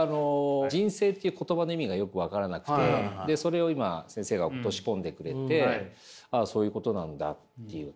「仁政」っていう言葉の意味がよく分からなくてそれを今先生が落とし込んでくれてああそういうことなんだっていう。